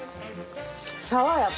爽やか。